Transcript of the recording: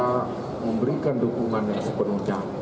memberikan dukungan sepenuhnya